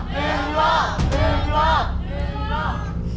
เข้ามาดูไอ้เค้า